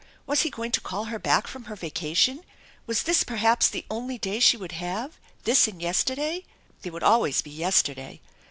Was he going to call her back from her vacation ? Was this per haps the only day she would have, this and yesterday ? There would always be yesterday!